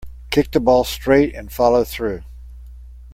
Kick the ball straight and follow through.